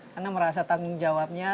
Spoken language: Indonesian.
karena merasa tanggung jawabnya